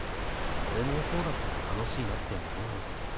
俺もそうだったら楽しいなって思うよ。